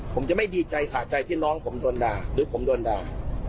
ผมจะไม่ดีใจสะใจที่น้องผมโดนด่าหรือผมโดนด่า